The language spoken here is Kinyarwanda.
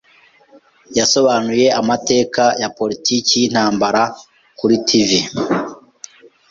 Yasobanuye amateka ya politiki y'intambara kuri TV.